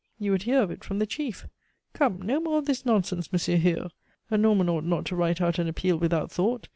You would hear of it from the chief! Come, no more of this nonsense, Monsieur Hure! A Norman ought not to write out an appeal without thought.